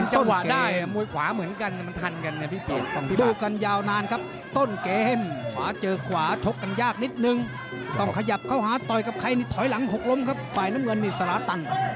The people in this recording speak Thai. หมวยขวาเหมือนกันมันทันกัน